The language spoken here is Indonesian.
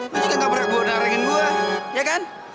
lu juga ga pernah bodoh naringin gua